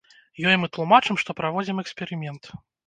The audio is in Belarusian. Ёй мы тлумачым, што праводзім эксперымент.